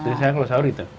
biasanya kalau saur gitu